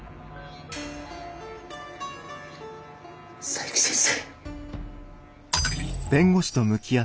佐伯先生。